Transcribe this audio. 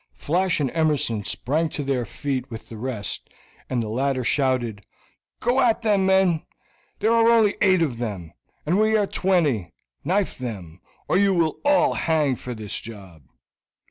Flash and Emerson sprang to their feet with the rest, and the latter shouted, "Go at them, men; there are only eight of them, and we are twenty. Knife them, or you will all hang for this job."